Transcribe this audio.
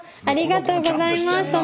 ありがとうございます。